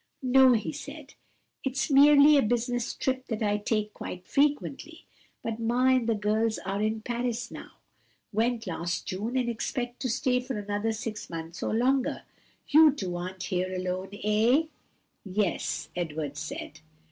"No," he said, "it's merely a business trip that I take quite frequently. But ma and the girls are in Paris now, went last June and expect to stay for another six months or longer. You two aren't here alone, eh?" "Yes," Edward said.